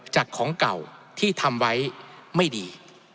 ของเก่าที่ทำไว้ไม่ดี